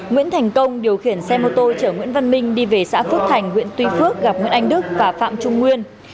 nguyễn thành công điều khiển xe mô tô chở nguyễn văn minh đi về xã phước thành huyện tuy phước gặp nguyễn anh đức và phạm trung nguyên